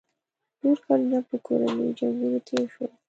نور کلونه په کورنیو جنګونو تېر شول.